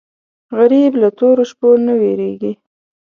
غریب له تورو شپو نه وېرېږي